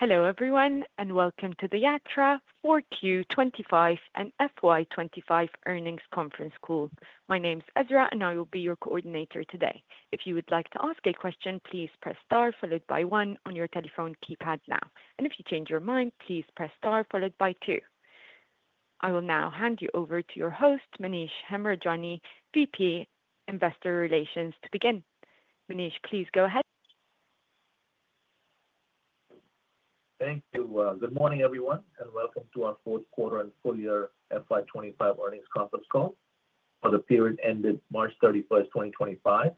Hello everyone, and welcome to the Yatra 4Q25 and FY25 earnings conference call. My name's Ezra, and I will be your coordinator today. If you would like to ask a question, please press star followed by one on your telephone keypad now. If you change your mind, please press star followed by 2. I will now hand you over to your host, Manish Hemrajani, VP Investor Relations, to begin. Manish, please go ahead. Thank you. Good morning, everyone, and welcome to our fourth quarter and full year FY25 earnings conference call for the period ended March 31, 2025.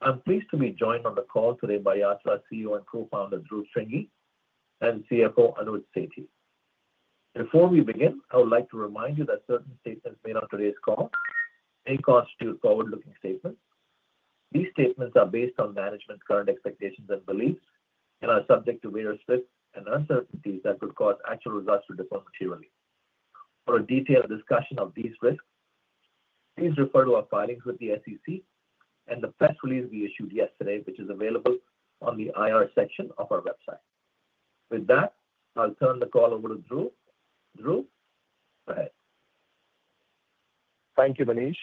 I'm pleased to be joined on the call today by Yatra CEO and co-founder Dhruv Shringi and CFO Anuj Sethi. Before we begin, I would like to remind you that certain statements made on today's call may constitute forward-looking statements. These statements are based on management's current expectations and beliefs and are subject to various risks and uncertainties that could cause actual results to differ materially. For a detailed discussion of these risks, please refer to our filings with the SEC and the press release we issued yesterday, which is available on the IR section of our website. With that, I'll turn the call over to Dhruv. Dhruv, go ahead. Thank you, Manish.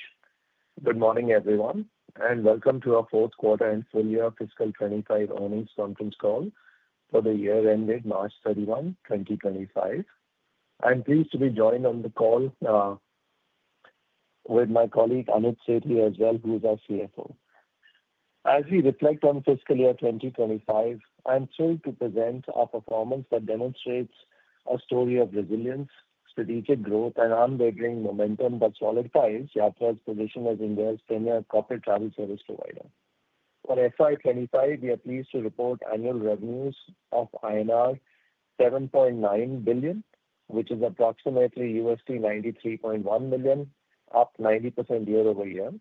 Good morning, everyone, and welcome to our fourth quarter and full year fiscal 2025 earnings conference call for the year ended March 31, 2025. I'm pleased to be joined on the call with my colleague Anuj Sethi as well, who is our CFO. As we reflect on fiscal year 2025, I'm thrilled to present our performance that demonstrates a story of resilience, strategic growth, and unwavering momentum that solidifies Yatra's position as India's premier corporate travel service provider. For FY25, we are pleased to report annual revenues of INR 7.9 billion, which is approximately $93.1 million, up 90% year over year.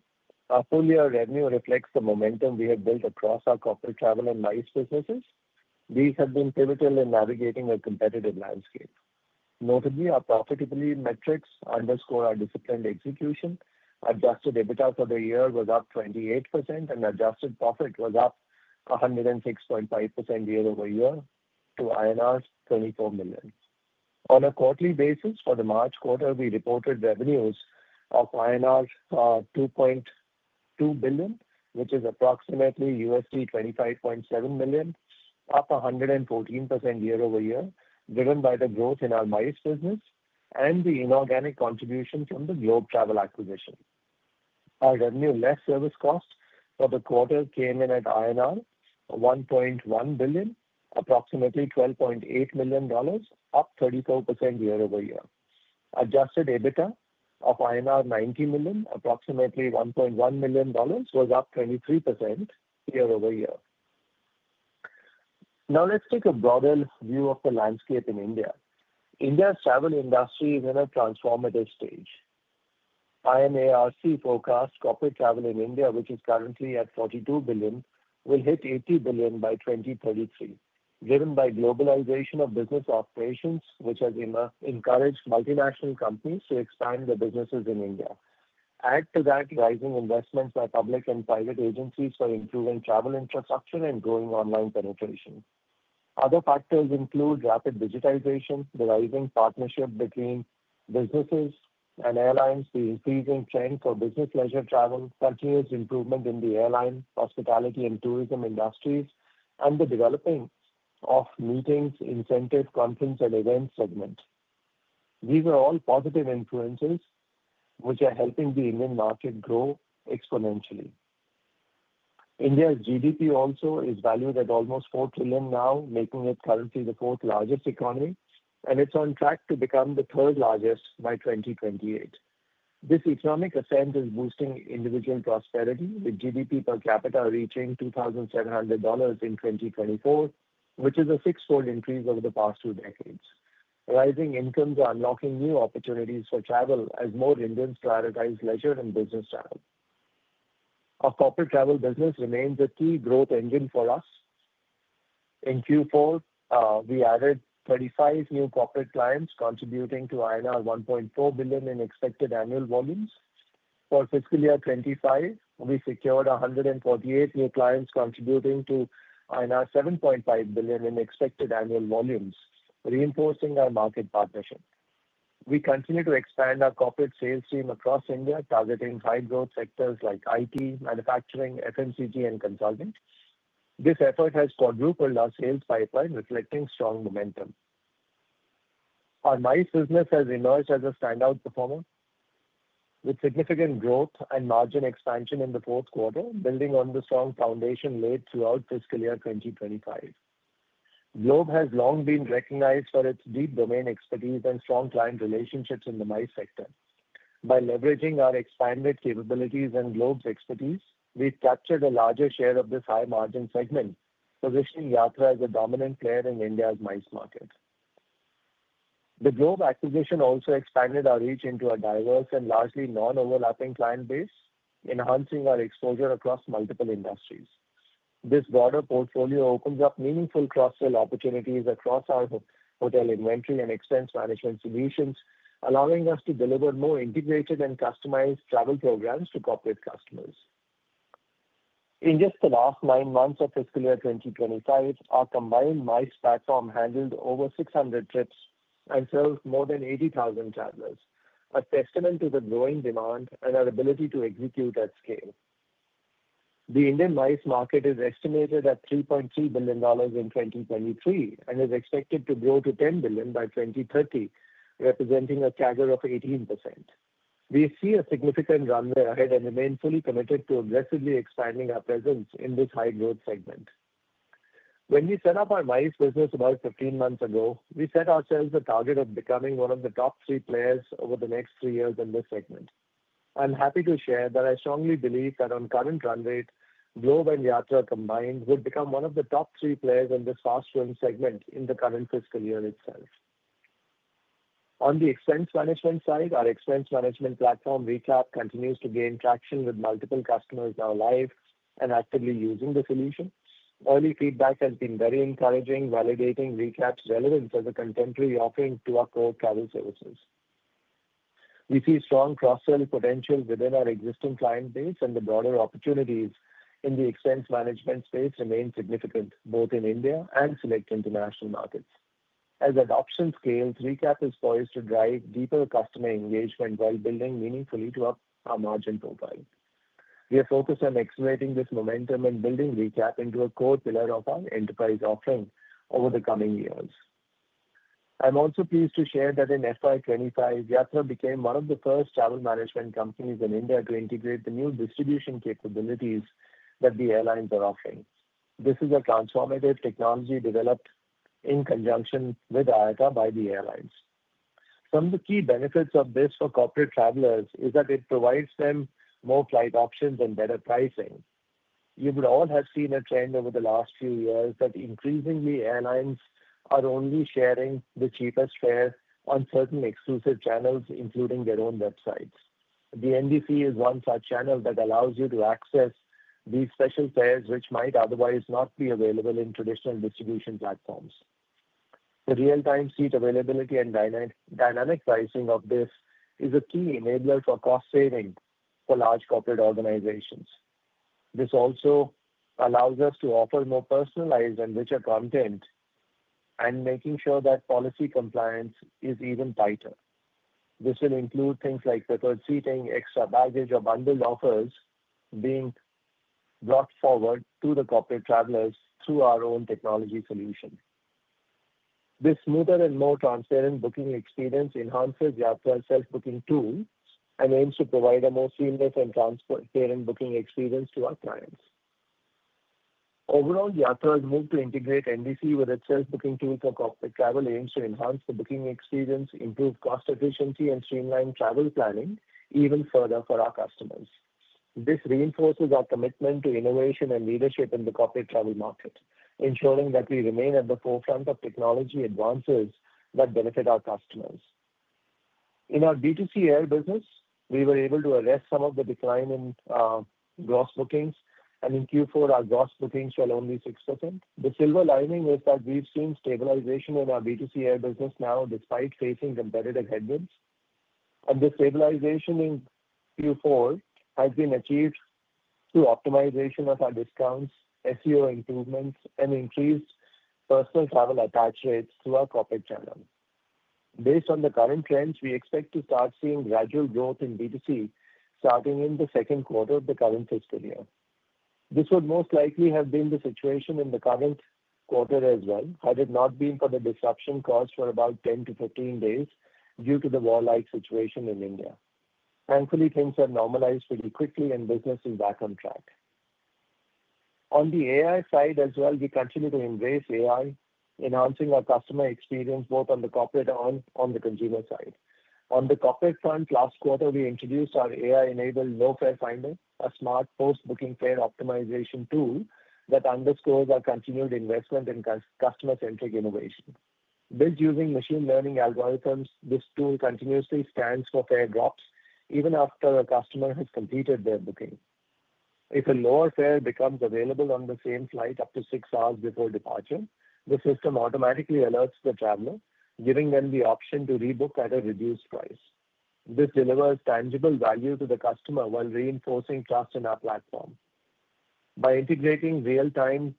Our full year revenue reflects the momentum we have built across our corporate travel and MICE businesses. These have been pivotal in navigating a competitive landscape. Notably, our profitability metrics underscore our disciplined execution. Adjusted EBITDA for the year was up 28%, and adjusted profit was up 106.5% year over year to INR 24 million. On a quarterly basis, for the March quarter, we reported revenues of INR 2.2 billion, which is approximately $25.7 million, up 114% year over year, driven by the growth in our MICE business and the inorganic contribution from the Globe Travels acquisition. Our revenue less service cost for the quarter came in at INR 1.1 billion, approximately $12.8 million, up 34% year over year. Adjusted EBITDA of INR 90 million, approximately $1.1 million, was up 23% year over year. Now, let's take a broader view of the landscape in India. India's travel industry is in a transformative stage. IMARC forecasts corporate travel in India, which is currently at $42 billion, will hit $80 billion by 2033, driven by globalization of business operations, which has encouraged multinational companies to expand their businesses in India. Add to that rising investments by public and private agencies for improving travel infrastructure and growing online penetration. Other factors include rapid digitization, the rising partnership between businesses and airlines, the increasing trend for business leisure travel, continuous improvement in the airline, hospitality, and tourism industries, and the developing of meetings, incentive, conference, and event segment. These are all positive influences which are helping the Indian market grow exponentially. India's GDP also is valued at almost $4 trillion now, making it currently the fourth largest economy, and it's on track to become the third largest by 2028. This economic ascent is boosting individual prosperity, with GDP per capita reaching $2,700 in 2024, which is a 6-fold increase over the past 2 decades. Rising incomes are unlocking new opportunities for travel as more Indians prioritize leisure and business travel. Our corporate travel business remains a key growth engine for us. In Q4, we added 35 new corporate clients, contributing to INR 1.4 billion in expected annual volumes. For fiscal year 2025, we secured 148 new clients, contributing to 7.5 billion in expected annual volumes, reinforcing our market partnership. We continue to expand our corporate sales team across India, targeting high-growth sectors like IT, manufacturing, FMCG, and consulting. This effort has quadrupled our sales pipeline, reflecting strong momentum. Our MICE business has emerged as a standout performer, with significant growth and margin expansion in the fourth quarter, building on the strong foundation laid throughout fiscal year 2025. Globe has long been recognized for its deep domain expertise and strong client relationships in the MICE sector. By leveraging our expanded capabilities and Globe's expertise, we've captured a larger share of this high-margin segment, positioning Yatra as a dominant player in India's MICE market. The Globe acquisition also expanded our reach into a diverse and largely non-overlapping client base, enhancing our exposure across multiple industries. This broader portfolio opens up meaningful cross-sale opportunities across our hotel inventory and expense management solutions, allowing us to deliver more integrated and customized travel programs to corporate customers. In just the last 9 months of fiscal year 2025, our combined MICE platform handled over 600 trips and served more than 80,000 travelers, a testament to the growing demand and our ability to execute at scale. The Indian MICE market is estimated at $3.3 billion in 2023 and is expected to grow to $10 billion by 2030, representing a CAGR of 18%. We see a significant runway ahead and remain fully committed to aggressively expanding our presence in this high-growth segment. When we set up our MICE business about 15 months ago, we set ourselves a target of becoming one of the top 3 players over the next 3 years in this segment. I'm happy to share that I strongly believe that on current run rate, Globe and Yatra combined would become one of the top 3 players in this fast-growing segment in the current fiscal year itself. On the expense management side, our expense management platform, Recap, continues to gain traction with multiple customers now live and actively using the solution. Early feedback has been very encouraging, validating Recap's relevance as a contemporary offering to our core travel services. We see strong cross-sale potential within our existing client base, and the broader opportunities in the expense management space remain significant, both in India and select international markets. As adoption scales, Recap is poised to drive deeper customer engagement while building meaningfully to up our margin profile. We are focused on accelerating this momentum and building Recap into a core pillar of our enterprise offering over the coming years. I'm also pleased to share that in FY 2025, Yatra became one of the first travel management companies in India to integrate the new distribution capabilities that the airlines are offering. This is a transformative technology developed in conjunction with IATA by the airlines. Some of the key benefits of this for corporate travelers is that it provides them more flight options and better pricing. You would all have seen a trend over the last few years that increasingly airlines are only sharing the cheapest fare on certain exclusive channels, including their own websites. The NDC is one such channel that allows you to access these special fares, which might otherwise not be available in traditional distribution platforms. The real-time seat availability and dynamic pricing of this is a key enabler for cost saving for large corporate organizations. This also allows us to offer more personalized and richer content and making sure that policy compliance is even tighter. This will include things like preferred seating, extra baggage, or bundled offers being brought forward to the corporate travelers through our own technology solution. This smoother and more transparent booking experience enhances Yatra's self-booking tool and aims to provide a more seamless and transparent booking experience to our clients. Overall, Yatra's move to integrate NDC with its self-booking tool for corporate travel aims to enhance the booking experience, improve cost efficiency, and streamline travel planning even further for our customers. This reinforces our commitment to innovation and leadership in the corporate travel market, ensuring that we remain at the forefront of technology advances that benefit our customers. In our B2C air business, we were able to arrest some of the decline in gross bookings, and in Q4, our gross bookings fell only 6%. The silver lining is that we've seen stabilization in our B2C air business now, despite facing competitive headwinds. This stabilization in Q4 has been achieved through optimization of our discounts, SEO improvements, and increased personal travel attach rates through our corporate channel. Based on the current trends, we expect to start seeing gradual growth in B2C starting in the second quarter of the current fiscal year. This would most likely have been the situation in the current quarter as well had it not been for the disruption caused for about 10-15 days due to the war-like situation in India. Thankfully, things have normalized pretty quickly, and business is back on track. On the AI side as well, we continue to embrace AI, enhancing our customer experience both on the corporate and on the consumer side. On the corporate front, last quarter, we introduced our AI-enabled NoFare Finder, a smart post-booking fare optimization tool that underscores our continued investment in customer-centric innovation. Built using machine learning algorithms, this tool continuously scans for fare drops even after a customer has completed their booking. If a lower fare becomes available on the same flight up to 6 hours before departure, the system automatically alerts the traveler, giving them the option to rebook at a reduced price. This delivers tangible value to the customer while reinforcing trust in our platform. By integrating real-time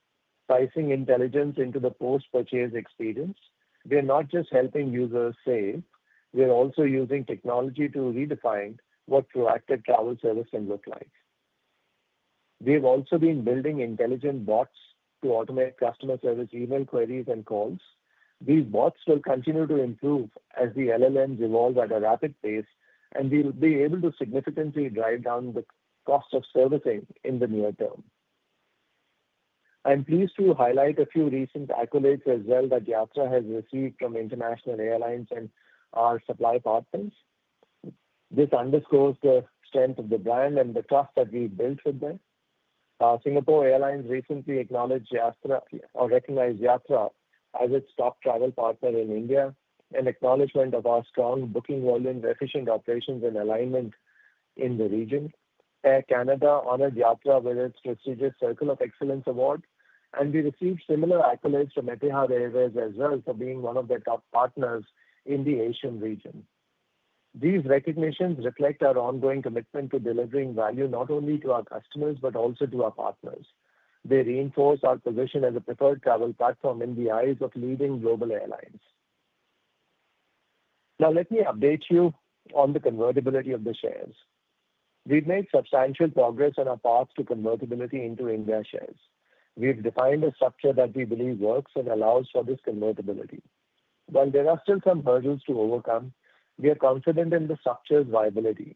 pricing intelligence into the post-purchase experience, we are not just helping users save; we are also using technology to redefine what proactive travel servicing looks like. We have also been building intelligent bots to automate customer service email queries and calls. These bots will continue to improve as the LLMs evolve at a rapid pace, and we will be able to significantly drive down the cost of servicing in the near term. I'm pleased to highlight a few recent accolades as well that Yatra has received from international airlines and our supply partners. This underscores the strength of the brand and the trust that we've built with them. Singapore Airlines recently acknowledged Yatra or recognized Yatra as its top travel partner in India, an acknowledgment of our strong booking volumes, efficient operations, and alignment in the region. Air Canada honored Yatra with its prestigious Circle of Excellence Award, and we received similar accolades from Etihad Airways as well for being one of their top partners in the Asian region. These recognitions reflect our ongoing commitment to delivering value not only to our customers but also to our partners. They reinforce our position as a preferred travel platform in the eyes of leading global airlines. Now, let me update you on the convertibility of the shares. We've made substantial progress on our path to convertibility into India shares. We've defined a structure that we believe works and allows for this convertibility. While there are still some hurdles to overcome, we are confident in the structure's viability.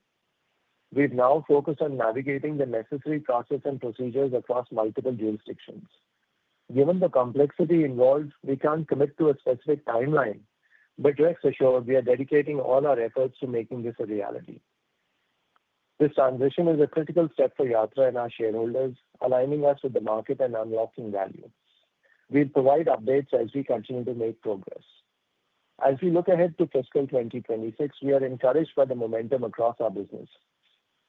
We've now focused on navigating the necessary process and procedures across multiple jurisdictions. Given the complexity involved, we can't commit to a specific timeline, but rest assured, we are dedicating all our efforts to making this a reality. This transition is a critical step for Yatra and our shareholders, aligning us with the market and unlocking value. We'll provide updates as we continue to make progress. As we look ahead to fiscal 2026, we are encouraged by the momentum across our business.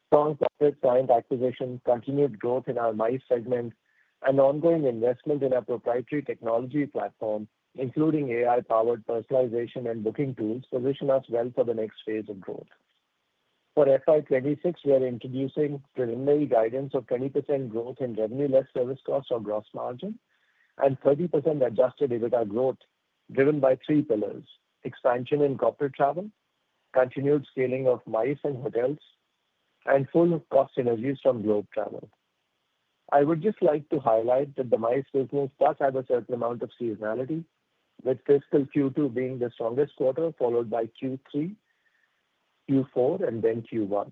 Strong corporate client acquisition, continued growth in our MICE segment, and ongoing investment in our proprietary technology platform, including AI-powered personalization and booking tools, position us well for the next phase of growth. For FY2026, we are introducing preliminary guidance of 20% growth in revenue-led service costs or gross margin and 30% Adjusted EBITDA growth, driven by 3 pillars: expansion in corporate travel, continued scaling of MICE and hotels, and full-cost synergies from Globe Travels. I would just like to highlight that the MICE business does have a certain amount of seasonality, with fiscal Q2 being the strongest quarter, followed by Q3, Q4, and then Q1.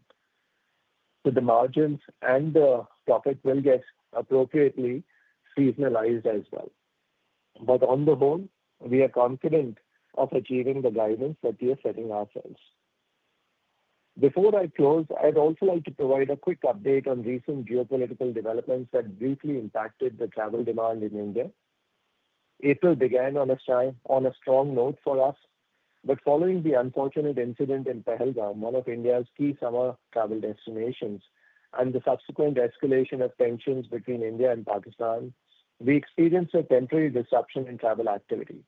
The margins and the profit will get appropriately seasonalized as well. On the whole, we are confident of achieving the guidance that we are setting ourselves. Before I close, I'd also like to provide a quick update on recent geopolitical developments that briefly impacted the travel demand in India. April began on a strong note for us, but following the unfortunate incident in Pahalgam, one of India's key summer travel destinations, and the subsequent escalation of tensions between India and Pakistan, we experienced a temporary disruption in travel activity.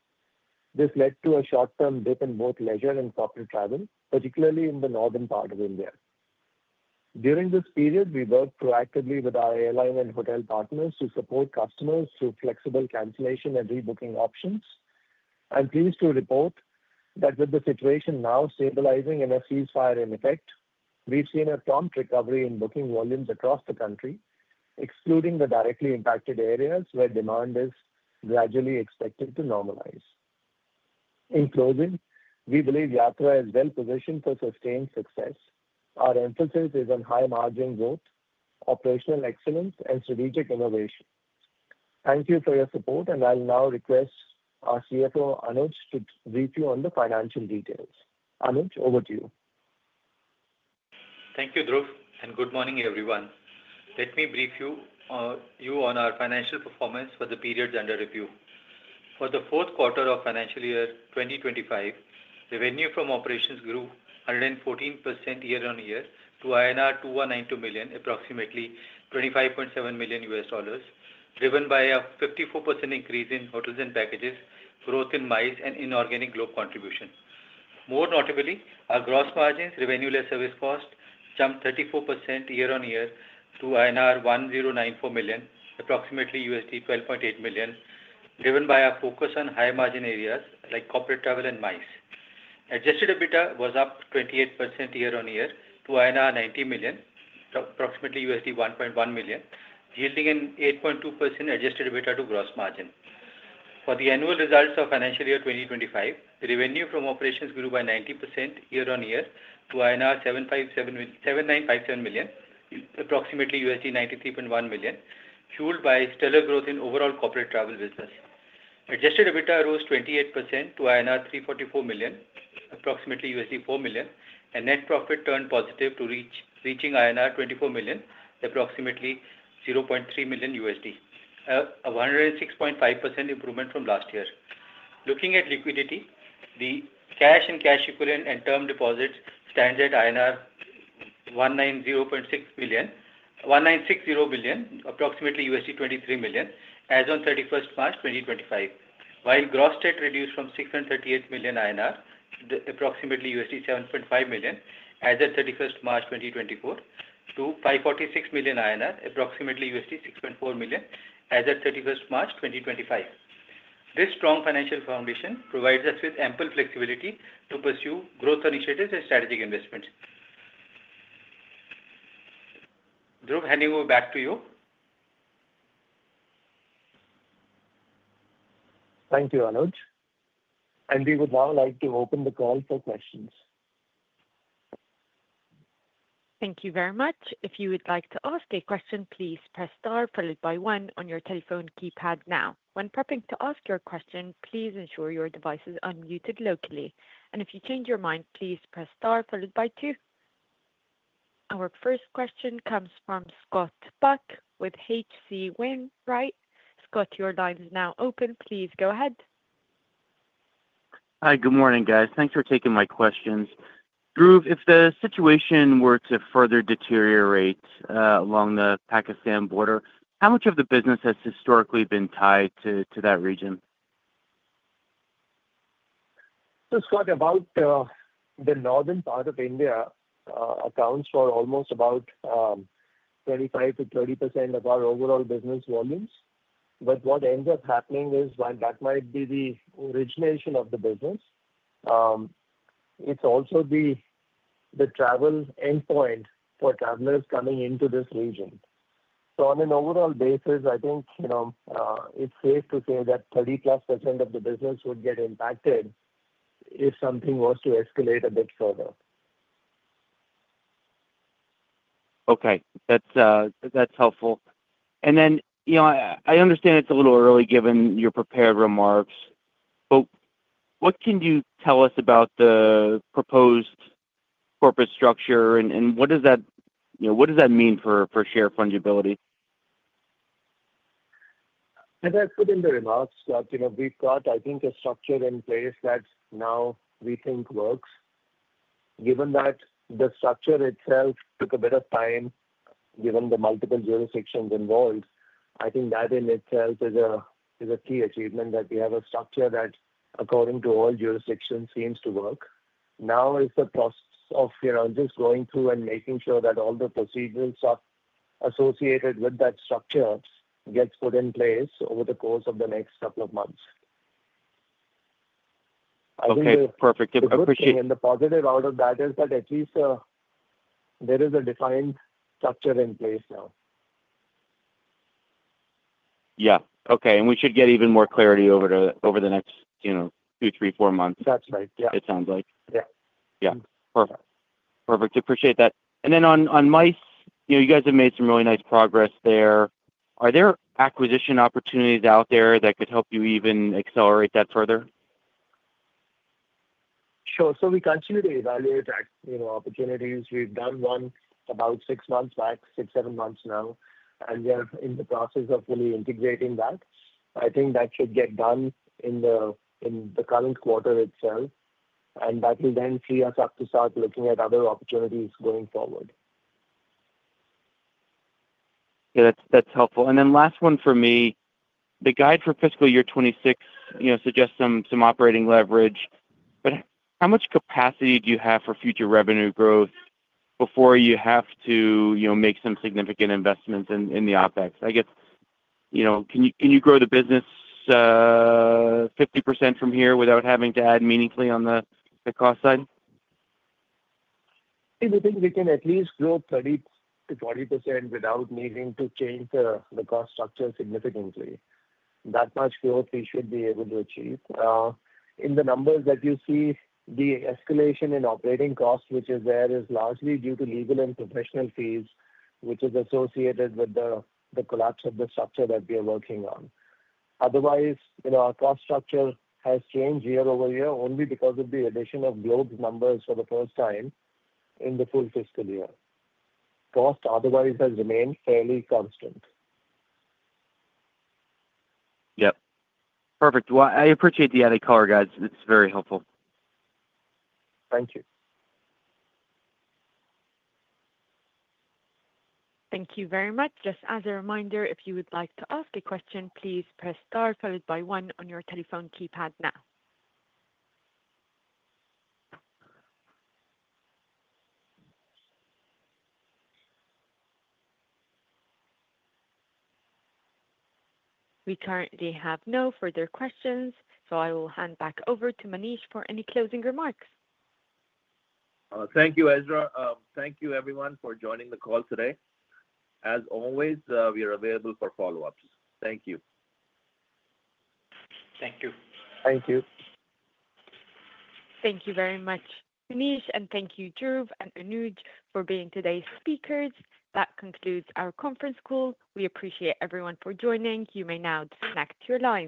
This led to a short-term dip in both leisure and corporate travel, particularly in the northern part of India. During this period, we worked proactively with our airline and hotel partners to support customers through flexible cancellation and rebooking options. I'm pleased to report that with the situation now stabilizing and a ceasefire in effect, we've seen a prompt recovery in booking volumes across the country, excluding the directly impacted areas where demand is gradually expected to normalize. In closing, we believe Yatra is well positioned for sustained success. Our emphasis is on high-margin growth, operational excellence, and strategic innovation. Thank you for your support, and I'll now request our CFO, Anuj, to brief you on the financial details. Anuj, over to you. Thank you, Dhruv, and good morning, everyone. Let me brief you on our financial performance for the periods under review. For the fourth quarter of financial year 2025, revenue from operations grew 114% year-on-year to INR 2,192 million, approximately $25.7 million US dollars, driven by a 54% increase in hotels and packages, growth in MICE, and inorganic Globe contribution. More notably, our gross margins, revenue-led service costs, jumped 34% year-on-year to INR 1,094 million, approximately $12.8 million, driven by our focus on high-margin areas like corporate travel and MICE. Adjusted EBITDA was up 28% year-on-year to INR 90 million, approximately $1.1 million, yielding an 8.2% Adjusted EBITDA to gross margin. For the annual results of financial year 2025, revenue from operations grew by 90% year-on-year to 7,957 million, approximately $93.1 million, fueled by stellar growth in overall corporate travel business. Adjusted EBITDA rose 28% to INR 344 million, approximately $4 million, and net profit turned positive to reaching INR 24 million, approximately $0.3 million, a 106.5% improvement from last year. Looking at liquidity, the cash and cash equivalent and term deposits stand at 1,960 million, approximately $23 million, as of 31st March 2025, while gross debt reduced from 638 million INR, approximately $7.5 million, as of 31st March 2024, to 546 million INR, approximately $6.4 million, as of 31st March 2025. This strong financial foundation provides us with ample flexibility to pursue growth initiatives and strategic investments. Dhruv, handing over back to you. Thank you, Anuj. We would now like to open the call for questions. Thank you very much. If you would like to ask a question, please press star followed by one on your telephone keypad now. When prepping to ask your question, please ensure your device is unmuted locally. If you change your mind, please press star followed by 2. Our first question comes from Scott Buck with HC Wainwright. Scott, your line is now open. Please go ahead. Hi, good morning, guys. Thanks for taking my questions. Dhruv, if the situation were to further deteriorate along the Pakistan border, how much of the business has historically been tied to that region? Scott, about the northern part of India accounts for almost about 25-30% of our overall business volumes. What ends up happening is, while that might be the origination of the business, it's also the travel endpoint for travelers coming into this region. On an overall basis, I think it's safe to say that 30+% of the business would get impacted if something was to escalate a bit further. Okay. That's helpful. I understand it's a little early given your prepared remarks, but what can you tell us about the proposed corporate structure and what does that mean for share fundability? As I put in the remarks, Scott, we've got, I think, a structure in place that now we think works. Given that the structure itself took a bit of time given the multiple jurisdictions involved, I think that in itself is a key achievement that we have a structure that, according to all jurisdictions, seems to work. Now, it's a process of just going through and making sure that all the procedures associated with that structure get put in place over the course of the next couple of months. I think we're going to be getting the positive out of that is that at least there is a defined structure in place now. Yeah. Okay. We should get even more clarity over the next 2, 3, 4 months. That's right. Yeah. It sounds like. Yeah. Yeah. Perfect. Perfect. Appreciate that. Then on MICE, you guys have made some really nice progress there. Are there acquisition opportunities out there that could help you even accelerate that further? Sure. We continue to evaluate opportunities. We've done one about 6 months back, 6, 7 months now, and we are in the process of fully integrating that. I think that should get done in the current quarter itself, and that will then free us up to start looking at other opportunities going forward. Yeah. That's helpful. Last one for me, the guide for fiscal year 2026 suggests some operating leverage, but how much capacity do you have for future revenue growth before you have to make some significant investments in the OpEx? I guess, can you grow the business 50% from here without having to add meaningfully on the cost side? In the things we can at least grow 30-40% without needing to change the cost structure significantly. That much growth we should be able to achieve. In the numbers that you see, the escalation in operating costs, which is there, is largely due to legal and professional fees, which is associated with the collapse of the structure that we are working on. Otherwise, our cost structure has changed year over year only because of the addition of Globe's numbers for the first time in the full fiscal year. Cost otherwise has remained fairly constant. Yep. Perfect. I appreciate the added color, guys. It's very helpful. Thank you. Thank you very much. Just as a reminder, if you would like to ask a question, please press star followed by one on your telephone keypad now. We currently have no further questions, so I will hand back over to Manish for any closing remarks. Thank you, Ezra. Thank you, everyone, for joining the call today. As always, we are available for follow-ups. Thank you. Thank you. Thank you. Thank you very much, Manish, and thank you, Dhruv and Anuj, for being today's speakers. That concludes our conference call. We appreciate everyone for joining. You may now disconnect your line.